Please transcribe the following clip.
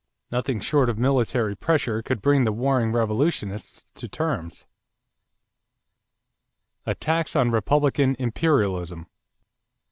Nothing short of military pressure could bring the warring revolutionists to terms. =Attacks on Republican "Imperialism."